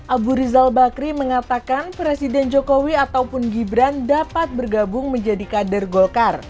abu rizal bakri mengatakan presiden jokowi ataupun gibran dapat bergabung menjadi kader golkar